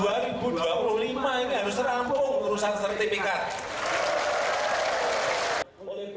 harganya saya dua ribu dua puluh lima ini harus terampung urusan sertifikat